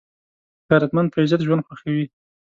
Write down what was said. غیرتمند په عزت ژوند خوښوي